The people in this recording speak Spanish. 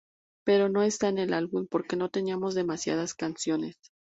Pero no está en el álbum porque teníamos demasiadas canciones".